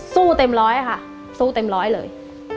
เต็มร้อยค่ะสู้เต็มร้อยเลย